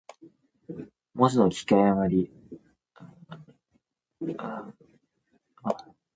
文字の書き誤り。「魯」と「魚」、「亥」と「豕」の字とが、それぞれ字画が似ていて間違えやすいということ。